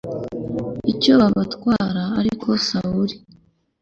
icyo babatwara ariko Sawuli